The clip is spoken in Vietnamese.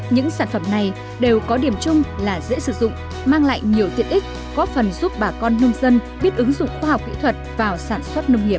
những sản phẩm này đều có điểm chung là dễ sử dụng mang lại nhiều tiện ích có phần giúp bà con nông dân biết ứng dụng khoa học kỹ thuật vào sản xuất nông nghiệp